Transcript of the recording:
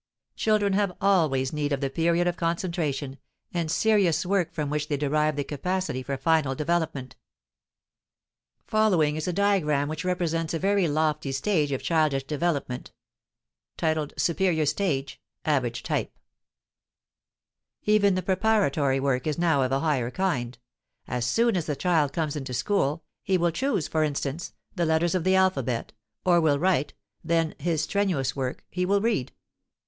Children have always need of the period of concentration, and serious work from which they derive the capacity for final development. The following diagram represents a very lofty stage of childish development: [Illustration: SUPERIOR STAGE Average type] Even the preparatory work is now of a higher kind: as soon as the child comes into school, he will choose, for instance, the letters of the alphabet, or will write, then (his strenuous work) he will read.